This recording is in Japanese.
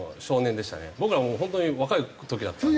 僕らもう本当に若い時だったので。